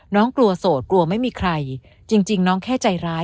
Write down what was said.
น้องกลัวโสดกลัวไม่มีใครจริงน้องแค่ใจร้าย